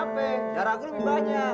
ntar gue yang ngatur ji